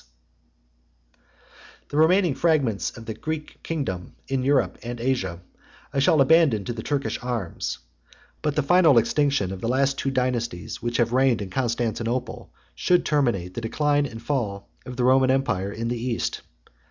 ] The remaining fragments of the Greek kingdom in Europe and Asia I shall abandon to the Turkish arms; but the final extinction of the two last dynasties 85 which have reigned in Constantinople should terminate the decline and fall of the Roman empire in the East.